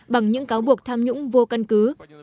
bằng những cáo buộc tham nhũng vô cân cứ